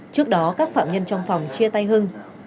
trước đó các phạm nhân trong phòng chia tay hưng